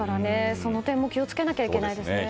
その点も気をつけなきゃいけないですね。